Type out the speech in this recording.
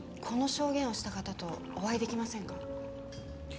この証言をした方とお会いできませんか？